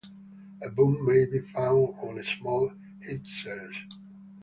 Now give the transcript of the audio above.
A boom may be found on small headsails.